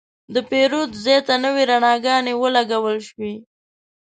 د پیرود ځای ته نوې رڼاګانې ولګول شوې.